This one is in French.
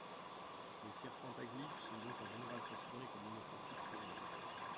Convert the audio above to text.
Les serpents aglyphes sont donc en général considérés comme inoffensifs pour l'homme.